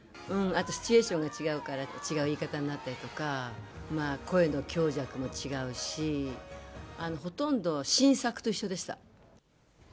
あとシチュエーションが違うから、違う言い方になったりとか、声の強弱も違うし、ほとんど新作と一緒でした。